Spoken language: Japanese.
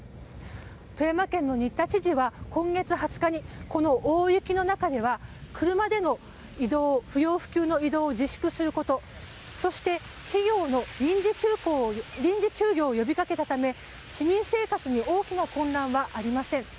富山県の新田知事は今月２０日にこの大雪の中では車での不要不急の移動を自粛することそして、企業の臨時休業を呼びかけたため市民生活に大きな混乱はありません。